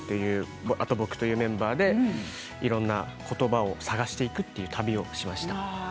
あと僕というメンバーでいろんな言葉を探していくという旅をしました。